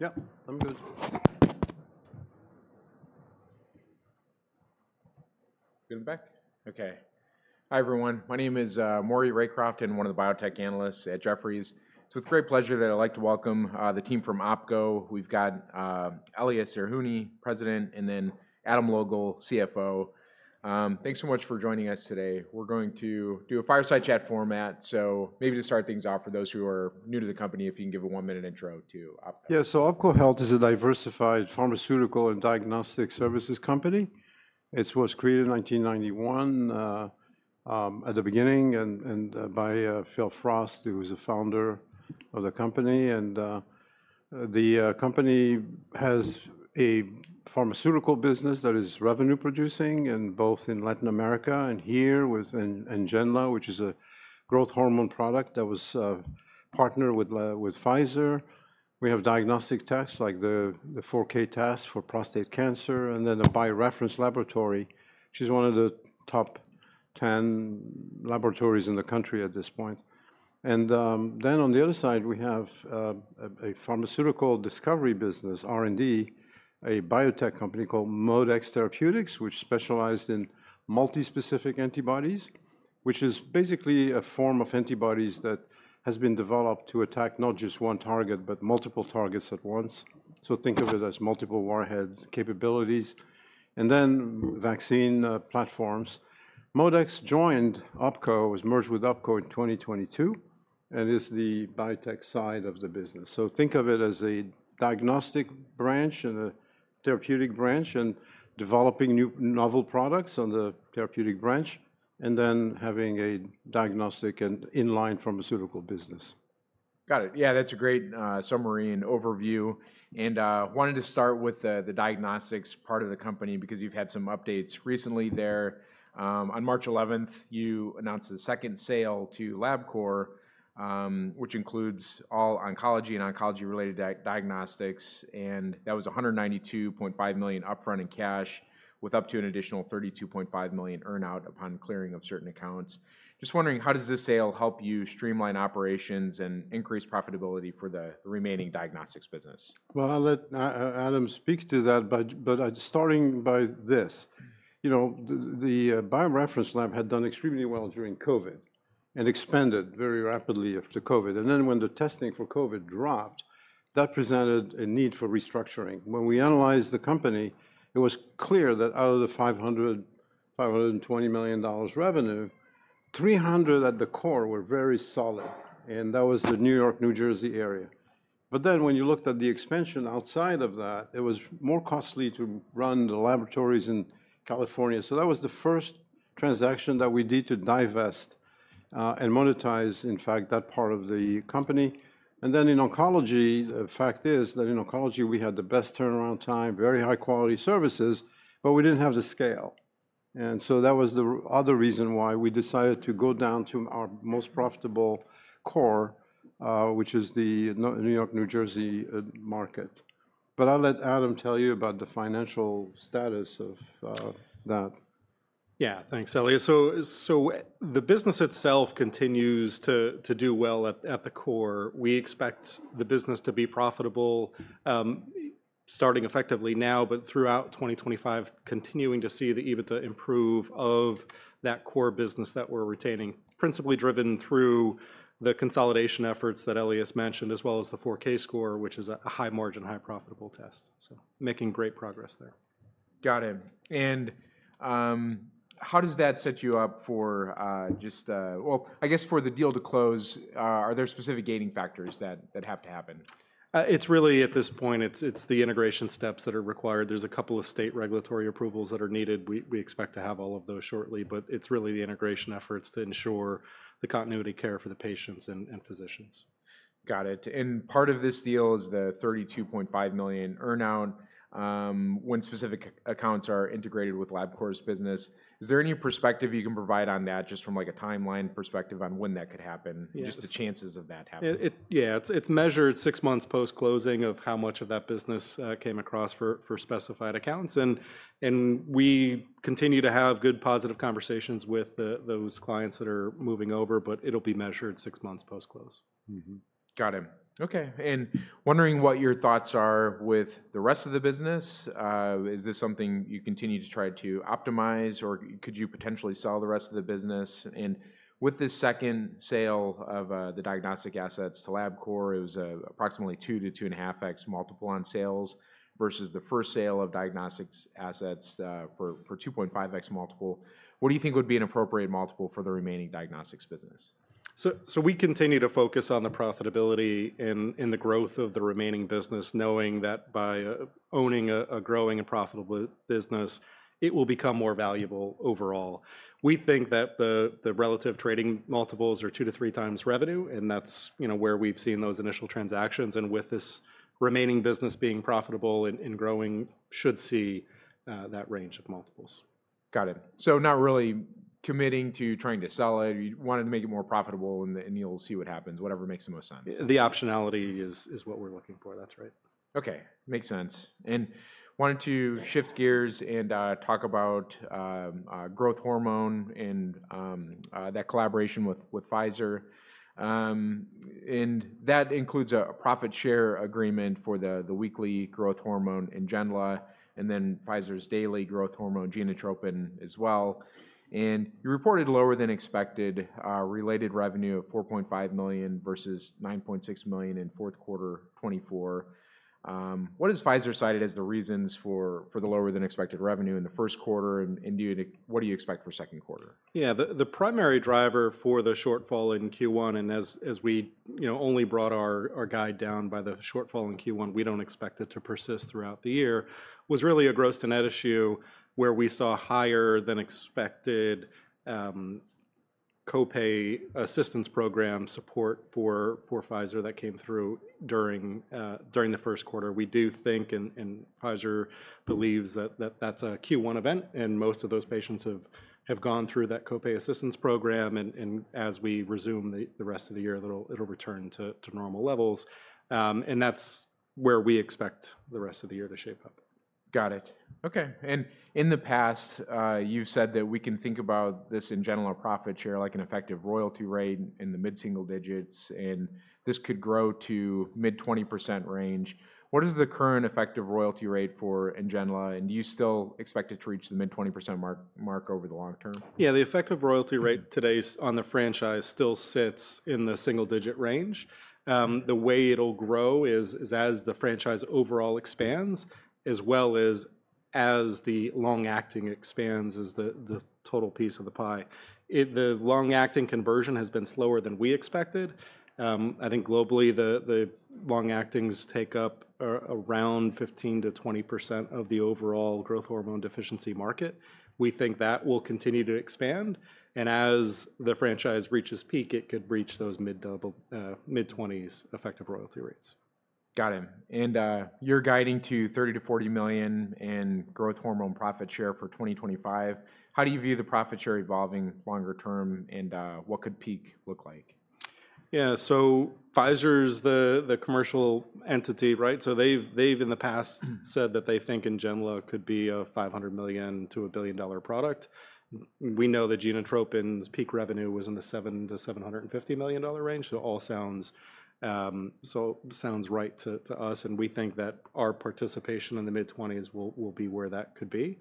Yep, I'm good. Good and back. Okay. Hi, everyone. My name is Maury Raycroft, and I'm one of the biotech analysts at Jefferies. It's with great pleasure that I'd like to welcome the team from OPKO. We've got Elias Zerhouni, President, and then Adam Logal, CFO. Thanks so much for joining us today. We're going to do a fireside chat format. Maybe to start things off, for those who are new to the company, if you can give a one-minute intro to OPKO. Yeah, so OPKO Health is a diversified pharmaceutical and diagnostic services company. It was created in 1991 at the beginning and by Phil Frost, who was the founder of the company. The company has a pharmaceutical business that is revenue-producing in both Latin America and here with Ngenla, which is a growth hormone product that was partnered with Pfizer. We have diagnostic tests, like the 4K test for prostate cancer, and then a BioReference Laboratories. She is one of the top 10 laboratories in the country at this point. On the other side, we have a pharmaceutical discovery business, R&D, a biotech company called ModeX Therapeutics, which specialized in multispecific antibodies, which is basically a form of antibodies that has been developed to attack not just one target, but multiple targets at once. Think of it as multiple warhead capabilities. Then vaccine platforms. ModeX joined OPKO, was merged with OPKO in 2022, and is the biotech side of the business. Think of it as a diagnostic branch and a therapeutic branch and developing new novel products on the therapeutic branch, and then having a diagnostic and inline pharmaceutical business. Got it. Yeah, that's a great summary and overview. I wanted to start with the diagnostics part of the company because you've had some updates recently there. On March 11th, you announced the second sale to Labcorp, which includes all oncology and oncology-related diagnostics. That was $192.5 million upfront in cash with up to an additional $32.5 million earn-out upon clearing of certain accounts. Just wondering, how does this sale help you streamline operations and increase profitability for the remaining diagnostics business? I'll let Adam speak to that. Starting by this, the BioReference Laboratories had done extremely well during COVID and expanded very rapidly after COVID. When the testing for COVID dropped, that presented a need for restructuring. When we analyzed the company, it was clear that out of the $520 million revenue, $300 million at the core were very solid. That was the New York, New Jersey area. When you looked at the expansion outside of that, it was more costly to run the laboratories in California. That was the first transaction that we did to divest and monetize, in fact, that part of the company. In oncology, the fact is that in oncology, we had the best turnaround time, very high-quality services, but we did not have the scale. That was the other reason why we decided to go down to our most profitable core, which is the New York, New Jersey market. I'll let Adam tell you about the financial status of that. Yeah, thanks, Elias. The business itself continues to do well at the core. We expect the business to be profitable starting effectively now, but throughout 2025, continuing to see the EBITDA improve of that core business that we're retaining, principally driven through the consolidation efforts that Elias mentioned, as well as the 4Kscore test, which is a high-margin, high-profitable test. Making great progress there. Got it. How does that set you up for just, I guess for the deal to close, are there specific gating factors that have to happen? It's really, at this point, it's the integration steps that are required. There are a couple of state regulatory approvals that are needed. We expect to have all of those shortly. It's really the integration efforts to ensure the continuity of care for the patients and physicians. Got it. Part of this deal is the $32.5 million earn-out when specific accounts are integrated with Labcorp's business. Is there any perspective you can provide on that, just from a timeline perspective on when that could happen, just the chances of that happening? Yeah, it's measured six months post-closing of how much of that business came across for specified accounts. We continue to have good, positive conversations with those clients that are moving over, but it'll be measured six months post-close. Got it. Okay. Wondering what your thoughts are with the rest of the business. Is this something you continue to try to optimize, or could you potentially sell the rest of the business? With this second sale of the diagnostic assets to Labcorp, it was approximately 2-2.5x multiple on sales versus the first sale of diagnostics assets for 2.5x multiple. What do you think would be an appropriate multiple for the remaining diagnostics business? We continue to focus on the profitability and the growth of the remaining business, knowing that by owning a growing and profitable business, it will become more valuable overall. We think that the relative trading multiples are 2-3 times revenue, and that's where we've seen those initial transactions. And with this remaining business being profitable and growing, should see that range of multiples. Got it. So not really committing to trying to sell it. You wanted to make it more profitable, and you'll see what happens, whatever makes the most sense. The optionality is what we're looking for. That's right. Okay. Makes sense. I wanted to shift gears and talk about growth hormone and that collaboration with Pfizer. That includes a profit share agreement for the weekly growth hormone in Ngenla, and then Pfizer's daily growth hormone Genotropin as well. You reported lower than expected related revenue of $4.5 million versus $9.6 million in fourth quarter 2024. What has Pfizer cited as the reasons for the lower than expected revenue in the first quarter? What do you expect for second quarter? Yeah, the primary driver for the shortfall in Q1, and as we only brought our guide down by the shortfall in Q1, we do not expect it to persist throughout the year, was really a gross net issue where we saw higher than expected copay assistance program support for Pfizer that came through during the first quarter. We do think, and Pfizer believes that that is a Q1 event, and most of those patients have gone through that copay assistance program. As we resume the rest of the year, it will return to normal levels. That is where we expect the rest of the year to shape up. Got it. Okay. In the past, you've said that we can think about this in general profit share like an effective royalty rate in the mid-single digits, and this could grow to mid-20% range. What is the current effective royalty rate for Ngenla, and do you still expect it to reach the mid-20% mark over the long term? Yeah, the effective royalty rate today on the franchise still sits in the single-digit range. The way it'll grow is as the franchise overall expands, as well as as the long-acting expands as the total piece of the pie. The long-acting conversion has been slower than we expected. I think globally, the long-actings take up around 15%-20% of the overall growth hormone deficiency market. We think that will continue to expand. As the franchise reaches peak, it could reach those mid-20s effective royalty rates. Got it. And you're guiding to $30-$40 million in growth hormone profit share for 2025. How do you view the profit share evolving longer term, and what could peak look like? Yeah, so Pfizer's the commercial entity, right? They've in the past said that they think Ngenla could be a $500 million-$1 billion product. We know that Genotropin's peak revenue was in the $700 million-$750 million range. It all sounds right to us, and we think that our participation in the mid-20% will be where that could be.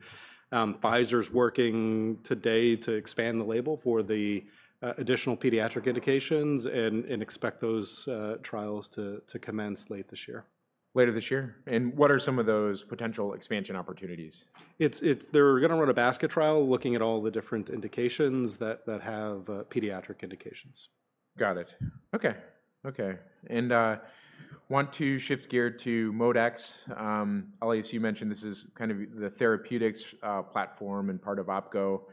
Pfizer's working today to expand the label for the additional pediatric indications and expect those trials to commence late this year. Later this year. What are some of those potential expansion opportunities? They're going to run a basket trial looking at all the different indications that have pediatric indications. Got it. Okay. Okay. I want to shift gear to ModeX. Elias, you mentioned this is kind of the therapeutics platform and part of OPKO.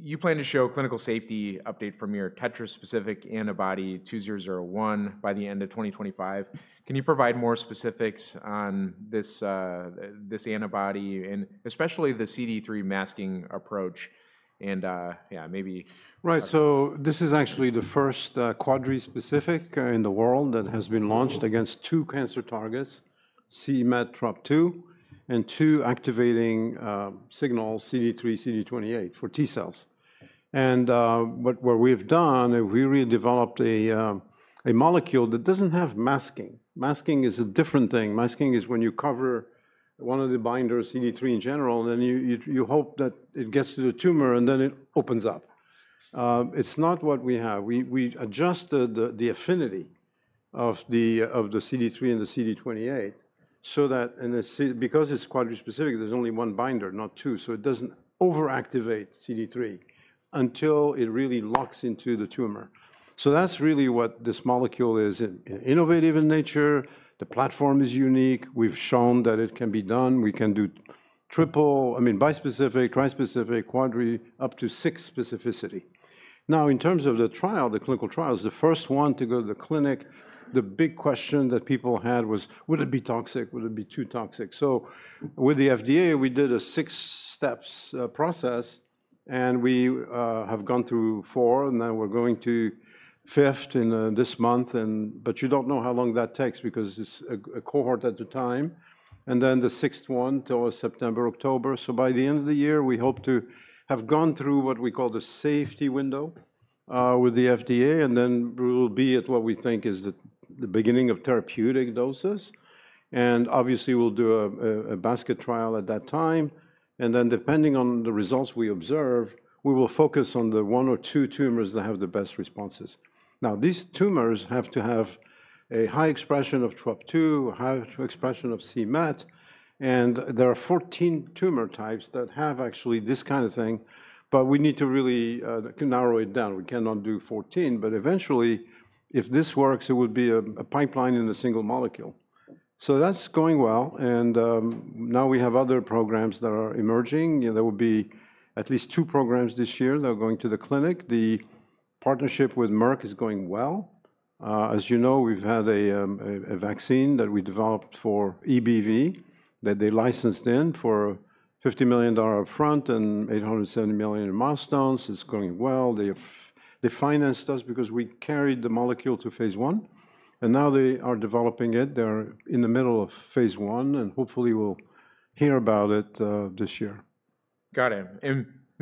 You plan to show a clinical safety update from your tetra-specific antibody 2001 by the end of 2025. Can you provide more specifics on this antibody and especially the CD3 masking approach? And yeah, maybe. Right. This is actually the first quadrasepecific in the world that has been launched against two cancer targets, cMET, HER2, and two activating signals, CD3, CD28 for T cells. What we have done, we really developed a molecule that does not have masking. Masking is a different thing. Masking is when you cover one of the binders, CD3 in general, and then you hope that it gets to the tumor, and then it opens up. It is not what we have. We adjusted the affinity of the CD3 and the CD28 so that because it is quadrasepecific, there is only one binder, not two. It does not over-activate CD3 until it really locks into the tumor. That is really what this molecule is. Innovative in nature. The platform is unique. We have shown that it can be done. We can do triple, I mean, bispecific, trispecific, quadri, up to six specificity. Now, in terms of the trial, the clinical trials, the first one to go to the clinic, the big question that people had was, would it be toxic? Would it be too toxic? With the FDA, we did a six-steps process, and we have gone through four, and then we're going to fifth in this month. You don't know how long that takes because it's a cohort at the time. The sixth one till September, October. By the end of the year, we hope to have gone through what we call the safety window with the FDA, and then we'll be at what we think is the beginning of therapeutic doses. Obviously, we'll do a basket trial at that time. Depending on the results we observe, we will focus on the one or two tumors that have the best responses. These tumors have to have a high expression of CD20, high expression of cMET. There are 14 tumor types that have actually this kind of thing. We need to really narrow it down. We cannot do 14. Eventually, if this works, it would be a pipeline in a single molecule. That is going well. Now we have other programs that are emerging. There will be at least two programs this year that are going to the clinic. The partnership with Merck is going well. As you know, we've had a vaccine that we developed for EBV that they licensed in for $50 million upfront and $870 million in milestones. It's going well. They financed us because we carried the molecule to phase I. They are developing it. They are in the middle of phase I, and hopefully, we'll hear about it this year. Got it.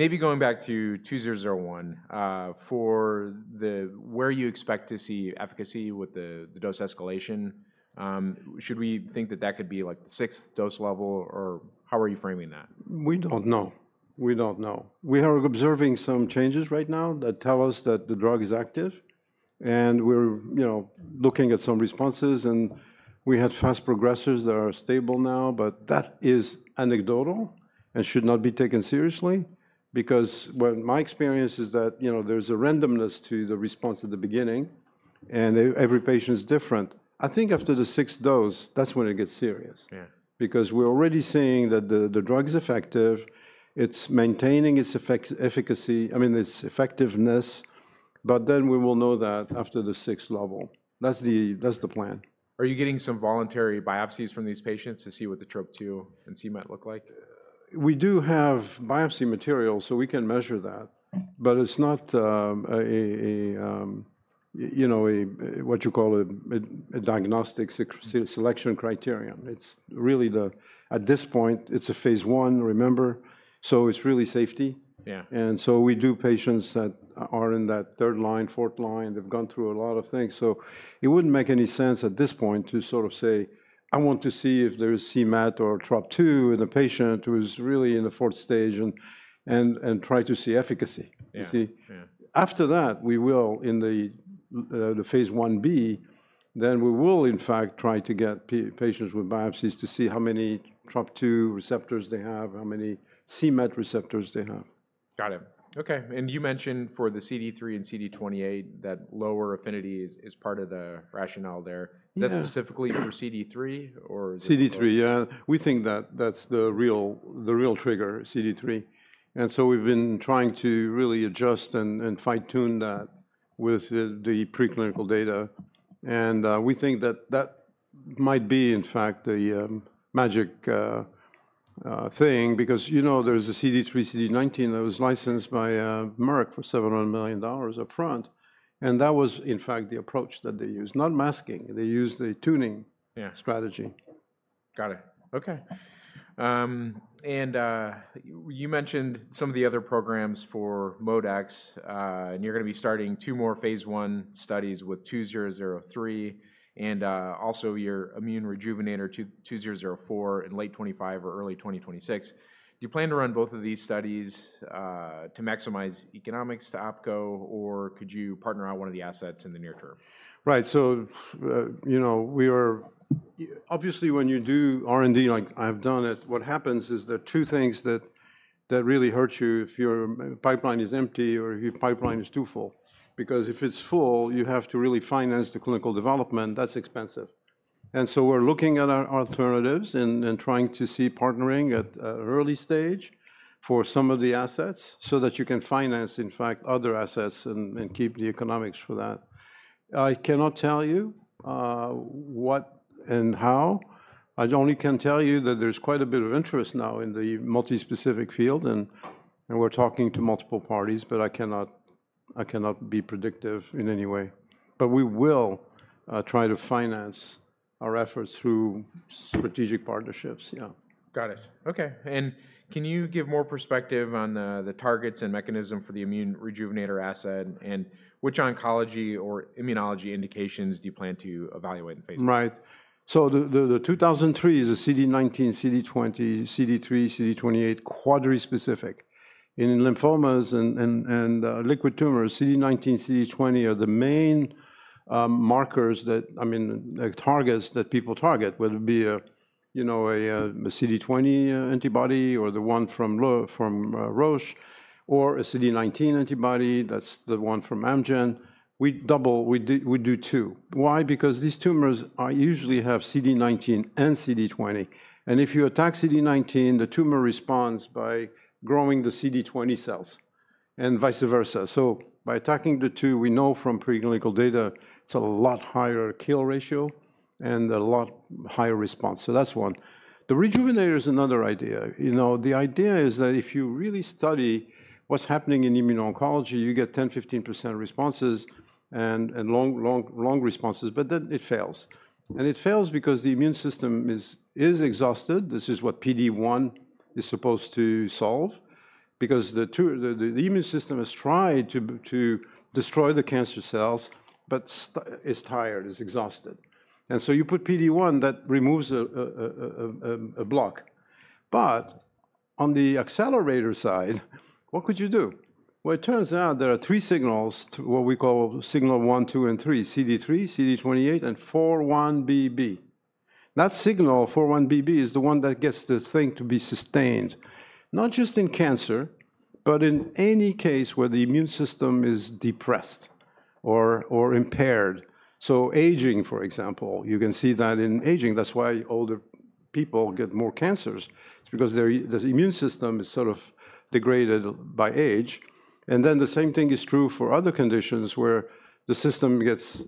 Maybe going back to 2001, for where you expect to see efficacy with the dose escalation, should we think that that could be like the sixth dose level, or how are you framing that? We don't know. We don't know. We are observing some changes right now that tell us that the drug is active. We're looking at some responses. We had fast progressives that are stable now, but that is anecdotal and should not be taken seriously because my experience is that there's a randomness to the response at the beginning, and every patient is different. I think after the sixth dose, that's when it gets serious because we're already seeing that the drug is effective. It's maintaining its efficacy, I mean, its effectiveness. We will know that after the sixth level. That's the plan. Are you getting some voluntary biopsies from these patients to see what the drop 2 and cMET look like? We do have biopsy material, so we can measure that. It is not what you call a diagnostic selection criterion. It is really, at this point, it is a phase I, remember? It is really safety. We do patients that are in that third line, fourth line. They have gone through a lot of things. It would not make any sense at this point to sort of say, "I want to see if there is cMET or CD20 in a patient who is really in the fourth stage," and try to see efficacy. You see? After that, we will, in the phase I-B, then we will, in fact, try to get patients with biopsies to see how many CD20 receptors they have, how many cMET receptors they have. Got it. Okay. You mentioned for the CD3 and CD28 that lower affinity is part of the rationale there. Is that specifically for CD3, or is it? CD3, yeah. We think that that's the real trigger, CD3. We have been trying to really adjust and fine-tune that with the preclinical data. We think that that might be, in fact, the magic thing because there is a CD3, CD19 that was licensed by Merck for $700 million upfront. That was, in fact, the approach that they used, not masking. They used a tuning strategy. Got it. Okay. You mentioned some of the other programs for ModeX. You're going to be starting two more phase I studies with 2003 and also your immune rejuvenator 2004 in late 2025 or early 2026. Do you plan to run both of these studies to maximize economics to OPKO, or could you partner out one of the assets in the near term? Right. Obviously, when you do R&D, like I've done it, what happens is there are two things that really hurt you if your pipeline is empty or your pipeline is too full. If it's full, you have to really finance the clinical development. That's expensive. We are looking at alternatives and trying to see partnering at an early stage for some of the assets so that you can finance, in fact, other assets and keep the economics for that. I cannot tell you what and how. I only can tell you that there's quite a bit of interest now in the multispecific field, and we're talking to multiple parties. I cannot be predictive in any way. We will try to finance our efforts through strategic partnerships, yeah. Got it. Okay. Can you give more perspective on the targets and mechanism for the immune rejuvenator asset and which oncology or immunology indications do you plan to evaluate in phase I? Right. So the 2003 is a CD19, CD20, CD3, CD28 quadrasepecific. And in lymphomas and liquid tumors, CD19, CD20 are the main markers that, I mean, targets that people target, whether it be a CD20 antibody or the one from Roche or a CD19 antibody, that's the one from Amgen. We do two. Why? Because these tumors usually have CD19 and CD20. And if you attack CD19, the tumor responds by growing the CD20 cells and vice versa. By attacking the two, we know from preclinical data, it's a lot higher kill ratio and a lot higher response. That's one. The rejuvenator is another idea. The idea is that if you really study what's happening in immuno-oncology, you get 10%-15% responses and long responses, but then it fails. It fails because the immune system is exhausted. This is what PD-1 is supposed to solve because the immune system has tried to destroy the cancer cells, but it's tired. It's exhausted. You put PD-1, that removes a block. On the accelerator side, what could you do? It turns out there are three signals, what we call signal one, two, and three: CD3, CD28, and 4BB. That signal, 4BB, is the one that gets this thing to be sustained, not just in cancer, but in any case where the immune system is depressed or impaired. Aging, for example, you can see that in aging. That's why older people get more cancers. It's because the immune system is sort of degraded by age. The same thing is true for other conditions where the system gets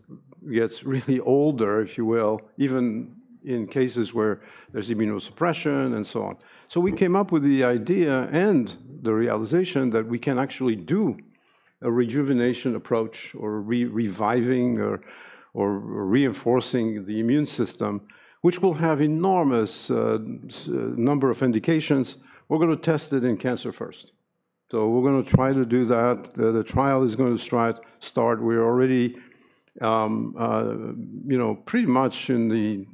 really older, if you will, even in cases where there's immunosuppression and so on. We came up with the idea and the realization that we can actually do a rejuvenation approach or reviving or reinforcing the immune system, which will have an enormous number of indications. We're going to test it in cancer first. We're going to try to do that. The trial is going to start. We're already pretty much in the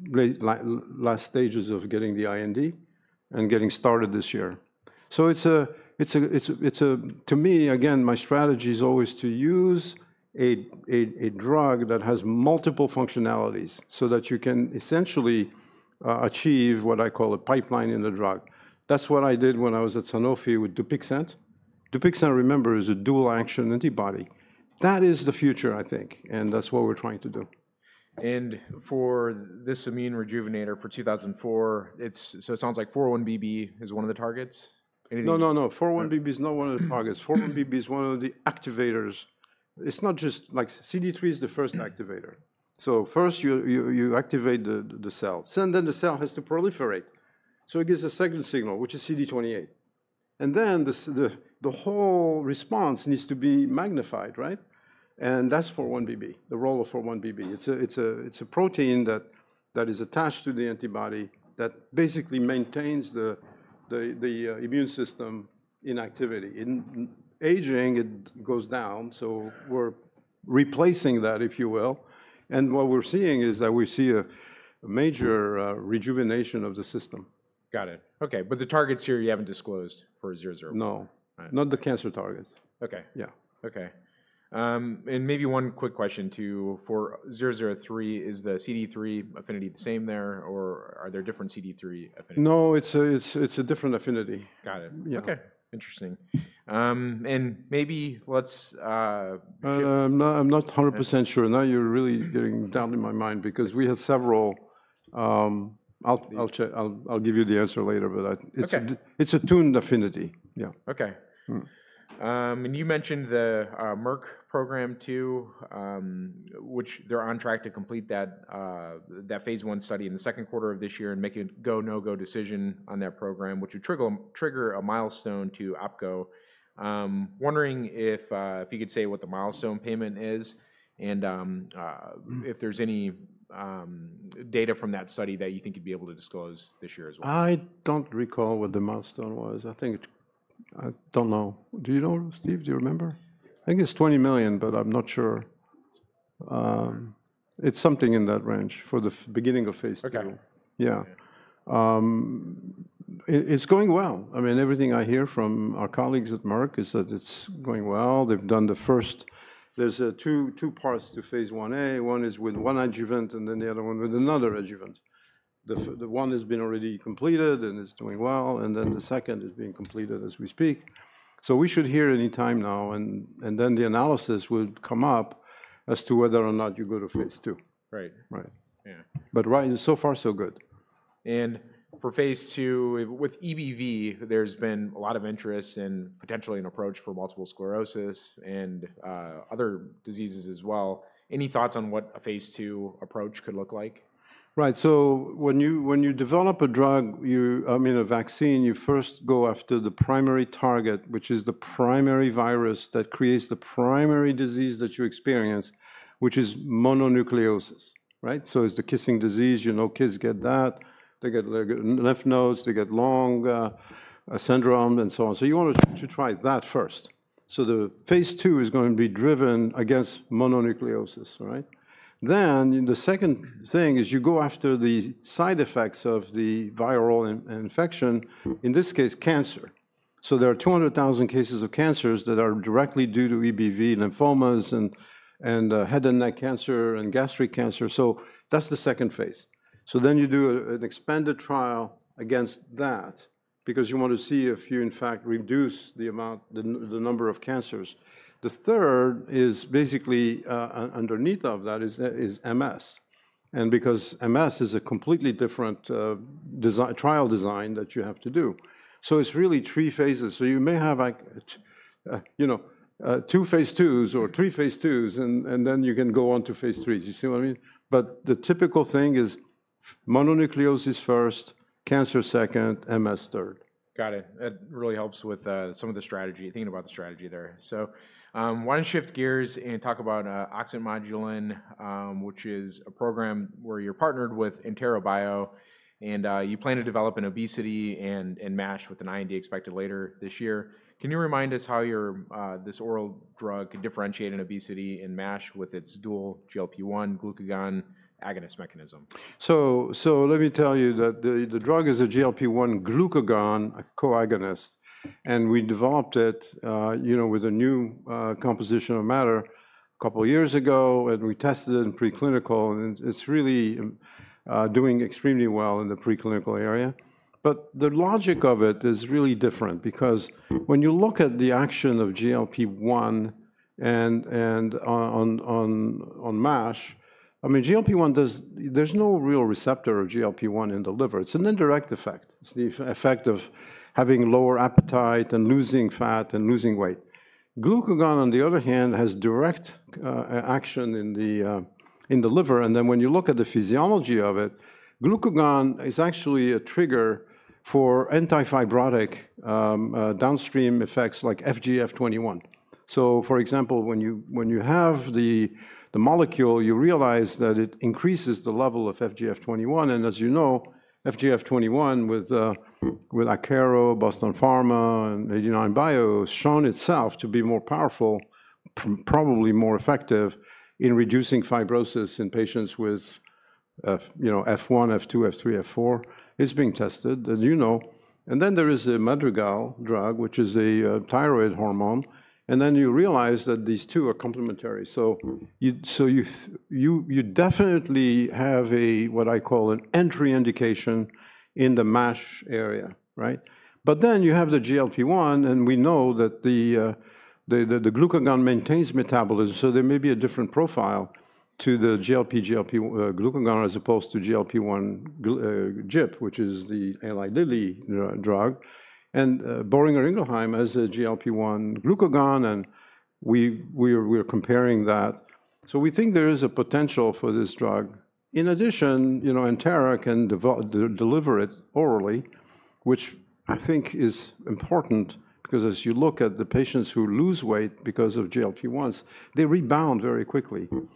last stages of getting the IND and getting started this year. To me, again, my strategy is always to use a drug that has multiple functionalities so that you can essentially achieve what I call a pipeline in the drug. That's what I did when I was at Sanofi with Dupixent. Dupixent, remember, is a dual-action antibody. That is the future, I think. That's what we're trying to do. For this immune rejuvenator for 2004, so it sounds like 4BB is one of the targets? No, no, no. 4BB is not one of the targets. 4BB is one of the activators. It's not just like CD3 is the first activator. First, you activate the cells. Then the cell has to proliferate. It gives a second signal, which is CD28. The whole response needs to be magnified, right? That's 4BB, the role of 4BB. It's a protein that is attached to the antibody that basically maintains the immune system in activity. In aging, it goes down. We're replacing that, if you will. What we're seeing is that we see a major rejuvenation of the system. Got it. Okay. But the targets here, you haven't disclosed for 003? No. Not the cancer targets. Okay. Yeah. Okay. Maybe one quick question too. For 003, is the CD3 affinity the same there, or are there different CD3 affinities? No, it's a different affinity. Got it. Okay. Interesting. Maybe let's. I'm not 100% sure. Now you're really getting down in my mind because we have several. I'll give you the answer later, but it's a tuned affinity. Yeah. Okay. You mentioned the Merck program too, which they're on track to complete that phase I study in the second quarter of this year and make a go, no-go decision on that program, which would trigger a milestone to OPKO. Wondering if you could say what the milestone payment is and if there's any data from that study that you think you'd be able to disclose this year as well. I don't recall what the milestone was. I don't know. Do you know, Steve? Do you remember? I think it's $20 million, but I'm not sure. It's something in that range for the beginning of phase II. Yeah. It's going well. I mean, everything I hear from our colleagues at Merck is that it's going well. They've done the first, there's two parts to phase 1-A. One is with one adjuvant, and then the other one with another adjuvant. The one has been already completed, and it's doing well. The second is being completed as we speak. We should hear any time now. The analysis will come up as to whether or not you go to phase II. Right. Right. Right, so far, so good. For phase II, with EBV, there's been a lot of interest in potentially an approach for multiple sclerosis and other diseases as well. Any thoughts on what a phase II approach could look like? Right. So when you develop a drug, I mean, a vaccine, you first go after the primary target, which is the primary virus that creates the primary disease that you experience, which is mononucleosis, right? So it's the kissing disease. You know kids get that. They get lymph nodes. They get long syndrome and so on. You want to try that first. The phase II is going to be driven against mononucleosis, right? The second thing is you go after the side effects of the viral infection, in this case, cancer. There are 200,000 cases of cancers that are directly due to EBV, lymphomas, and head and neck cancer, and gastric cancer. That's the second phase. You do an expanded trial against that because you want to see if you, in fact, reduce the number of cancers. The third is basically underneath of that is MS. And because MS is a completely different trial design that you have to do. So it's really three phases. You may have two phase II's or three phase II's, and then you can go on to phase III. Do you see what I mean? The typical thing is mononucleosis first, cancer second, MS third. Got it. It really helps with some of the strategy, thinking about the strategy there. Why don't we shift gears and talk about Oxymodulin, which is a program where you're partnered with Entera Bio. You plan to develop in obesity and MASH with an IND expected later this year. Can you remind us how this oral drug can differentiate in obesity and MASH with its dual GLP-1 glucagon agonist mechanism? Let me tell you that the drug is a GLP-1/glucagon coagonist. We developed it with a new composition of matter a couple of years ago. We tested it in preclinical, and it's really doing extremely well in the preclinical area. The logic of it is really different because when you look at the action of GLP-1 and on MASH, I mean, GLP-1, there's no real receptor of GLP-1 in the liver. It's an indirect effect. It's the effect of having lower appetite and losing fat and losing weight. Glucagon, on the other hand, has direct action in the liver. When you look at the physiology of it, glucagon is actually a trigger for antifibrotic downstream effects like FGF21. For example, when you have the molecule, you realize that it increases the level of FGF21. As you know, FGF21 with Akero, Boston Pharma, and 89bio has shown itself to be more powerful, probably more effective in reducing fibrosis in patients with F1, F2, F3, F4. It is being tested. You know, there is a Madrigal drug, which is a thyroid hormone. You realize that these two are complementary. You definitely have what I call an entry indication in the MASH area, right? You have the GLP-1, and we know that the glucagon maintains metabolism. There may be a different profile to the GLP-1/glucagon as opposed to GLP-1 GIP, which is the Eli Lilly drug. Boehringer Ingelheim has a GLP-1/glucagon. We are comparing that. We think there is a potential for this drug. In addition, Entera can deliver it orally, which I think is important because as you look at the patients who lose weight because of GLP-1s, they rebound very quickly. You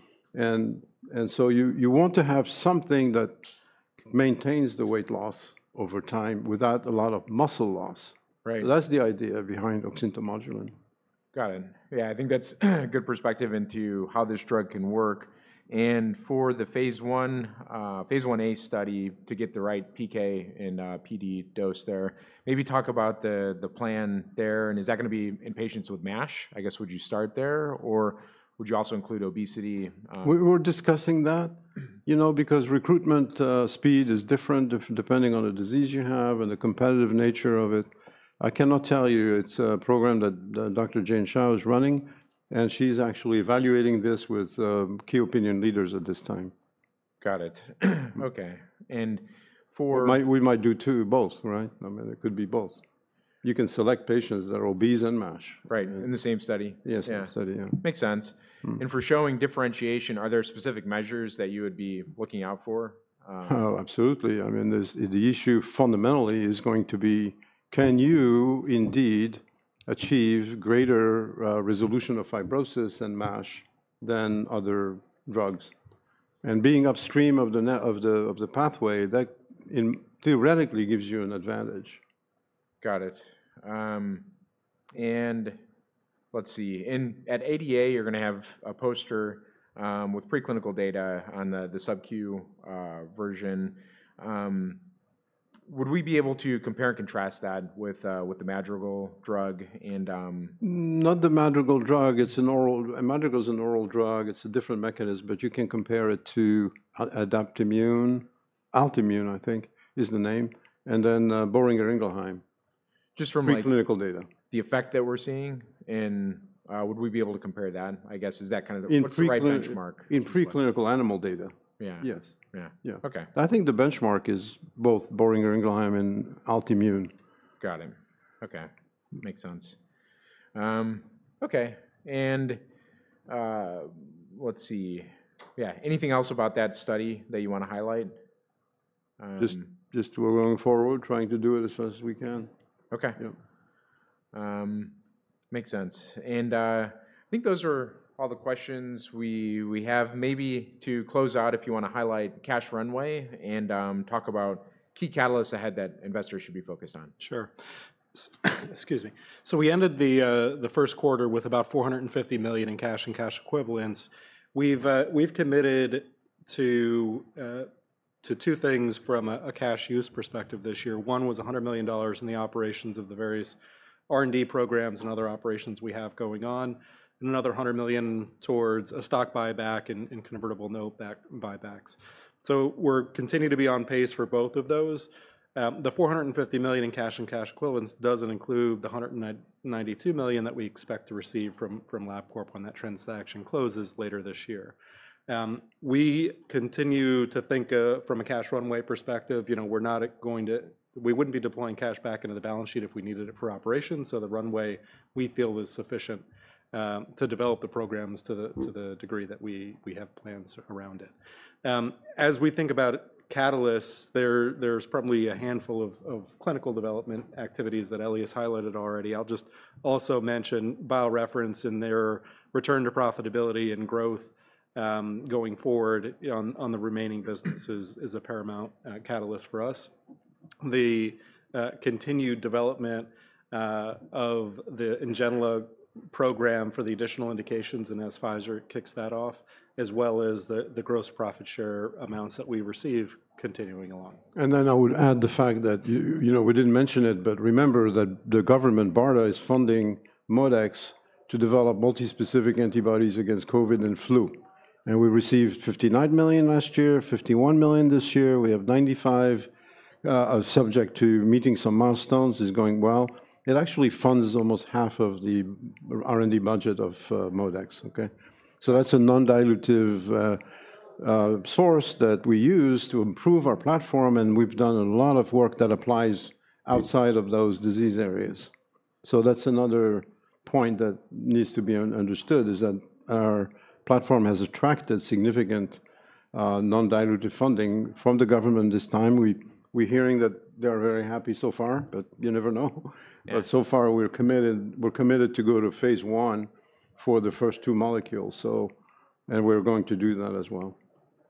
want to have something that maintains the weight loss over time without a lot of muscle loss. That is the idea behind Oxymodulin. Got it. Yeah. I think that's a good perspective into how this drug can work. For the phase I-A study to get the right PK and PD dose there, maybe talk about the plan there. Is that going to be in patients with MASH? I guess would you start there, or would you also include obesity? We're discussing that because recruitment speed is different depending on the disease you have and the competitive nature of it. I cannot tell you. It's a program that Dr. Jane Zhao is running. She's actually evaluating this with key opinion leaders at this time. Got it. Okay. And for. We might do both, right? I mean, it could be both. You can select patients that are obese and MASH. Right. In the same study. Yes. In the study, yeah. Makes sense. For showing differentiation, are there specific measures that you would be looking out for? Oh, absolutely. I mean, the issue fundamentally is going to be, can you indeed achieve greater resolution of fibrosis and MASH than other drugs? Being upstream of the pathway, that theoretically gives you an advantage. Got it. Let's see. At ADA, you're going to have a poster with preclinical data on the subQ version. Would we be able to compare and contrast that with the Madrigal drug? Not the Madrigal drug. It's an oral. Madrigal is an oral drug. It's a different mechanism, but you can compare it to Altimmune, I think is the name. And then Boehringer Ingelheim. Just for my. Preclinical data. The effect that we're seeing, and would we be able to compare that? I guess is that kind of the right benchmark? In preclinical animal data. Yeah. Yes. Yeah. Okay. I think the benchmark is both Boehringer Ingelheim and Altimmune. Got it. Okay. Makes sense. Okay. Let's see. Yeah. Anything else about that study that you want to highlight? Just we're going forward, trying to do it as fast as we can. Okay. Makes sense. I think those are all the questions we have. Maybe to close out, if you want to highlight cash runway and talk about key catalysts ahead that investors should be focused on. Sure. Excuse me. We ended the first quarter with about $450 million in cash and cash equivalents. We've committed to two things from a cash use perspective this year. One was $100 million in the operations of the various R&D programs and other operations we have going on, and another $100 million towards a stock buyback and convertible note buybacks. We're continuing to be on pace for both of those. The $450 million in cash and cash equivalents doesn't include the $192 million that we expect to receive from Labcorp when that transaction closes later this year. We continue to think from a cash runway perspective. We're not going to—we wouldn't be deploying cash back into the balance sheet if we needed it for operations. The runway we feel is sufficient to develop the programs to the degree that we have plans around it. As we think about catalysts, there's probably a handful of clinical development activities that Elias highlighted already. I'll just also mention BioReference in their return to profitability and growth going forward on the remaining businesses is a paramount catalyst for us. The continued development of the Ngenla program for the additional indications and as Pfizer kicks that off, as well as the gross profit share amounts that we receive continuing along. I would add the fact that we didn't mention it, but remember that the government, BARDA, is funding ModeX to develop multispecific antibodies against COVID and flu. We received $59 million last year, $51 million this year. We have $95 million subject to meeting some milestones. It's going well. It actually funds almost half of the R&D budget of ModeX, okay? That's a non-dilutive source that we use to improve our platform. We have done a lot of work that applies outside of those disease areas. That is another point that needs to be understood, that our platform has attracted significant non-dilutive funding from the government this time. We are hearing that they are very happy so far, but you never know. So far, we are committed to go to phase I for the first two molecules. We are going to do that as well.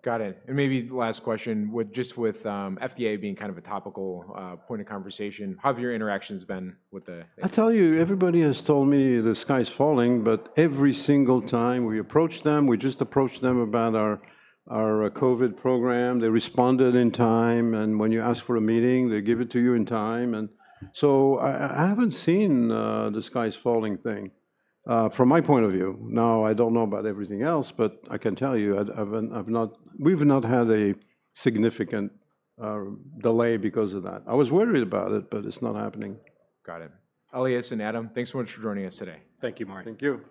Got it. Maybe last question, just with FDA being kind of a topical point of conversation, how have your interactions been with the? I tell you, everybody has told me the sky's falling. Every single time we approach them, we just approach them about our COVID program. They responded in time. When you ask for a meeting, they give it to you in time. I haven't seen the sky's falling thing from my point of view. Now, I don't know about everything else, but I can tell you, we've not had a significant delay because of that. I was worried about it, but it's not happening. Got it. Elias and Adam, thanks so much for joining us today. Thank you, Mark. Thank you.